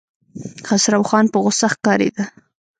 خسروخان په غوسه ښکارېده.